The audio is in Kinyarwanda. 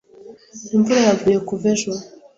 Imvura yaguye kuva ejo.